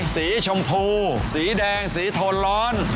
สีชมพูสีแดงสีโทนร้อน